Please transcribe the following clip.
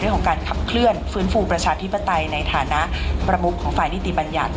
ของการขับเคลื่อนฟื้นฟูประชาธิปไตยในฐานะประมุขของฝ่ายนิติบัญญัติ